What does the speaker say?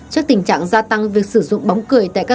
trước tình trạng gia tăng việc sử dụng bóng cười tại các cơ sở